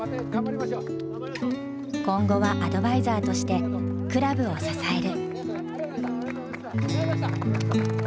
今後はアドバイザーとしてクラブを支える。